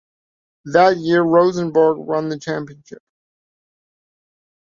That year Rosenborg won the championship.